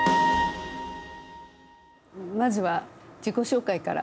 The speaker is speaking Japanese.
まずは自己紹介から。